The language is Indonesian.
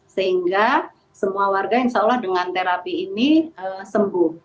sehingga semua warga insya allah dengan terapi ini sembuh